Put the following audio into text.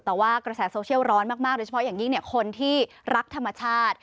แต่ว่ากระแสโซเชียลร้อนมากโดยเฉพาะอย่างยิ่งคนที่รักธรรมชาติ